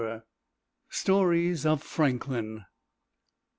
STORIES OF FRANKLIN.